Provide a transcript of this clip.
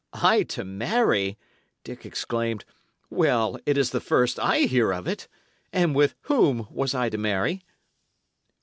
"I to marry!" Dick exclaimed. "Well, it is the first I hear of it. And with whom was I to marry?"